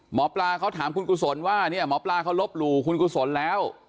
หมอปลาเขาถามคุณกุศลว่าเนี่ยหมอปลาเขาลบหลู่คุณกุศลแล้ว